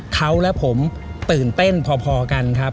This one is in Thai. เขาและผมตื่นเต้นพอกันครับ